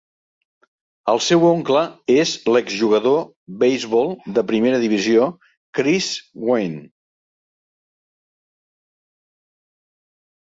El seu oncle és l'exjugador beisbol de primera divisió Chris Gwynn.